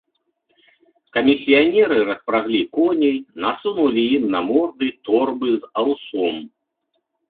Камісіянеры распраглі коней, насунулі ім на морды торбы з аўсом.